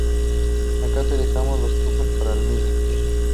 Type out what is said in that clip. Acá te dejamos los trucos para el mismo.